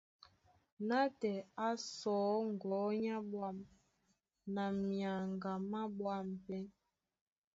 Nátɛɛ á sɔ̌ ŋgɔ̌ á ɓwâm na myaŋga má ɓwâm pɛ́.